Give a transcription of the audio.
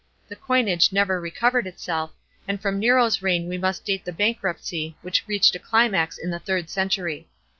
The coinage never recovered itself, and from Nero's reign we must date the bankruptcy which reached a climax in the third century.